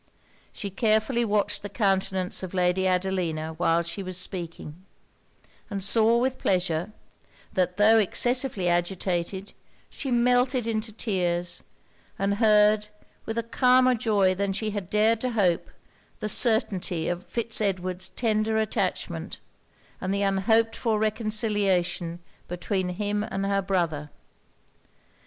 She carefully watched the countenance of Lady Adelina while she was speaking; and saw with pleasure, that tho' excessively agitated, she melted into tears, and heard, with a calmer joy than she had dared to hope, the certainty of Fitz Edward's tender attachment, and the unhoped for reconciliation between him and her brother.